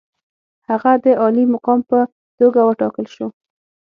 هغه د عالي مقام په توګه وټاکل شو.